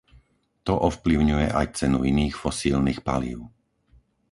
To ovplyvňuje aj cenu iných fosílnych palív.